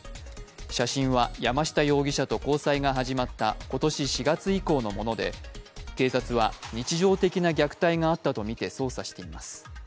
写真は山下容疑者と交際が始まった今年４月以降のもので警察は日常的な虐待があったとみて捜査しています。